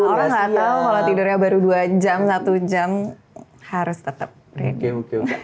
orang nggak tahu kalau tidurnya baru dua jam satu jam harus tetap ready